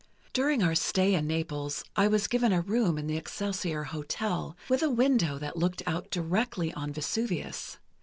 "During our stay in Naples, I was given a room in the Excelsior Hotel, with a window that looked out directly on Vesuvius.